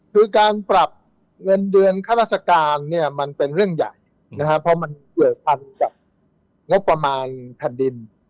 คือการปรับเงินเดือนข้าราชการเนี่ยมันเป็นเรื่องใหญ่นะครับเพราะมันเกิดพันกับงบประมาณแผ่นดิน